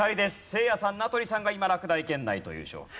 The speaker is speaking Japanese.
せいやさん名取さんが今落第圏内という状況です。